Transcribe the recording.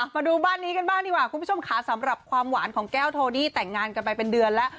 มาดูบ้านนี้กันบ้างดีกว่าคุณผู้ชมค่ะสำหรับความหวานของแก้วโทดี้แต่งงานกันไปเป็นเดือนแล้ว